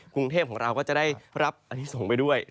กรุงเทพฯของเราก็จะได้รับอันนี้ส่งไปด้วย